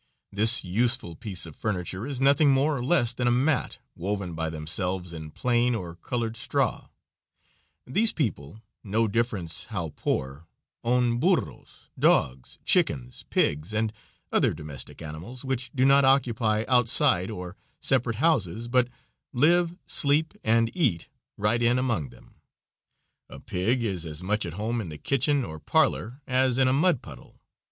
This useful piece of furniture is nothing more or less than a mat, woven by themselves in plain or colored straw; these people, no difference how poor, own burros, dogs, chickens, pigs, and other domestic animals, which do not occupy outside or separate houses, but live, sleep, and eat right in among them. A pig is as much at home in the kitchen or parlor as in a mud puddle.